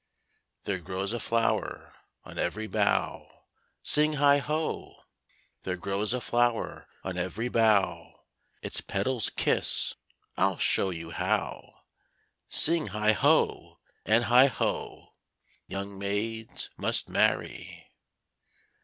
There grows a flower on every bough; Sing heigh ho! There grows a flower on every bough, Its petals kiss I'll show you how: Sing heigh ho, and heigh ho! Young maids must marry.